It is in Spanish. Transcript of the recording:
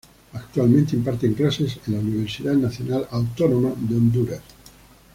Actualmente imparte clases en la Universidad Nacional Autónoma de Honduras.